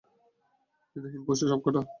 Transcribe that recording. হৃদয়হীন পশু সবকটা!